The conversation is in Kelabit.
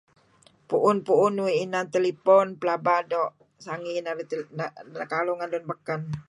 Puun-puun uih inan telephone pelaba doo' sangey narih nekaruh ngen lun baken.